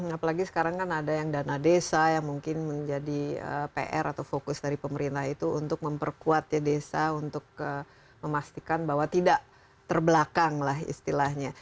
apalagi sekarang kan ada yang dana desa yang mungkin menjadi pr atau fokus dari pemerintah itu untuk memperkuat ya desa untuk memastikan bahwa tidak terbelakang lah istilahnya